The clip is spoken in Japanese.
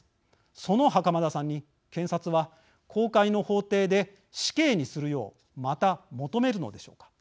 その袴田さんに検察は公開の法廷で死刑にするようまた求めるのでしょうか。